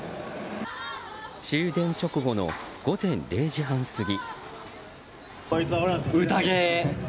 終電直後の午前０時半過ぎ。